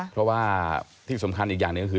เพราะว่าที่สำคัญอีกอย่างหนึ่งก็คือ